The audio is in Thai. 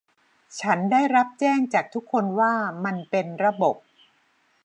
ฉันได้รับแจ้งจากทุกคนว่า มันเป็นระบบ